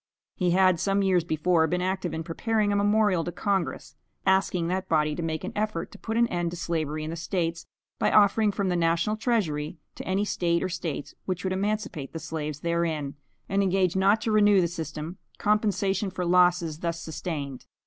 He had some years before been active in preparing a memorial to Congress, asking that body to make an effort to put an end to slavery in the States, by offering from the national treasury, to any State or States which would emancipate the slaves therein, and engage not to renew the system, compensation for losses thus sustained.